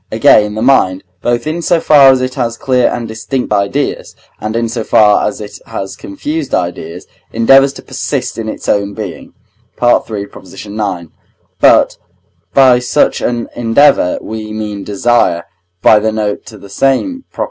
Again, the mind, both in so far as it has clear and distinct ideas, and in so far as it has confused ideas, endeavours to persist in its own being (III. ix.); but by such an endeavour we mean desire (by the note to the same Prop.)